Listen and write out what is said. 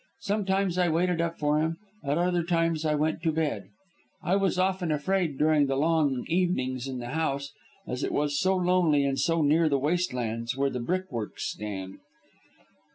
Sometimes I waited up for him, at other times I went to bed. I was often afraid during the long evenings in the house, as it was so lonely and so near the waste lands where the brickworks stand.